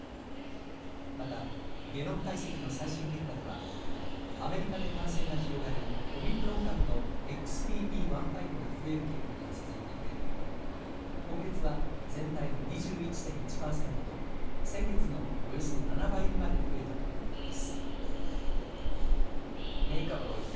またゲノム解析の最新結果ではアメリカで感染が広がるオミクロン株のＸＢＢ．１．５が増える傾向が続いていて今月は全体の２１．１％と先月のおよそ７倍にまで増えたということです。